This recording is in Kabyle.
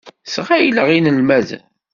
Sɣeyleɣ inelmaden.